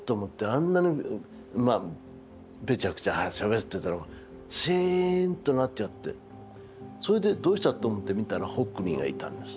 あんなにまあぺちゃくちゃしゃべってたのがシーンとなっちゃってそれでどうした？と思って見たらホックニーがいたんです。